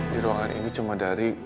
di ruangan ini cuma dari